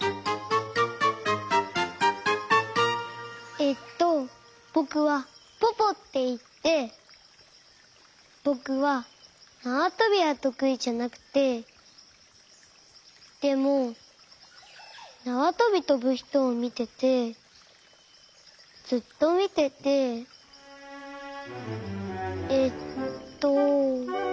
えっとぼくはポポっていってぼくはなわとびはとくいじゃなくてでもなわとびとぶひとをみててずっとみててえっと。